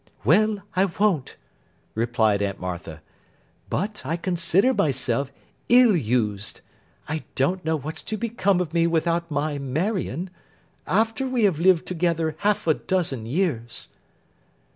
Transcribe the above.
'Well, I won't,' replied Aunt Martha. 'But, I consider myself ill used. I don't know what's to become of me without my Marion, after we have lived together half a dozen years.